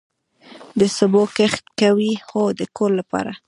د سبو کښت کوئ؟ هو، د کور لپاره